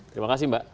terima kasih mbak